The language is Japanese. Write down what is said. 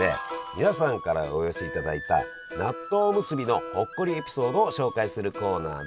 皆さんからお寄せいただいた納豆おむすびのほっこりエピソードを紹介するコーナーです！